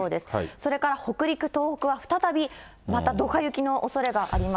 それから北陸、東北は再びまたどか雪のおそれがあります。